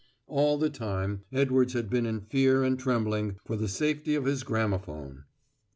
All the time Edwards had been in fear and trembling for the safety of his gramophone.